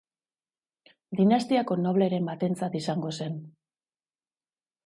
Dinastiako nobleren batentzat izango zen.